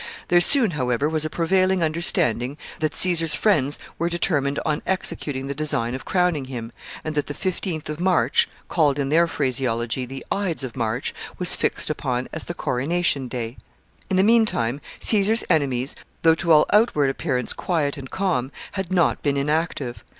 There soon, however, was a prevailing understanding that Caesar's friends were determined on executing the design of crowning him, and that the fifteenth of March, called, in their phraseology, the Ides of March, was fixed upon as the coronation day. [Sidenote: The conspiracy.] In the mean time, Caesar's enemies, though to all outward appearance quiet and calm, had not been inactive.